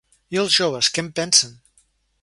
I els joves, què en pensen?